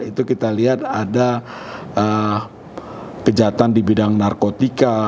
itu kita lihat ada kejahatan di bidang narkotika